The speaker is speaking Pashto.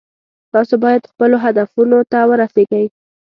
تاسو باید خپلو هدفونو ته ورسیږئ